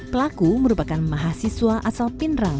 pelaku merupakan mahasiswa asal pinerang